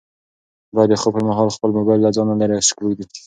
باید د خوب پر مهال خپل موبایل له ځانه لیرې کېږدو.